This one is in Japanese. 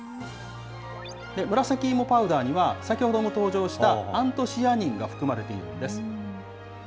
紫芋パウダーには、先ほども登場したアントシアニンが含まれているんです。